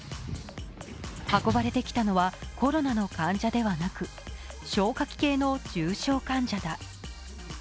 運ばれてきたのはコロナの患者ではなく、消化器系の重症患者だ。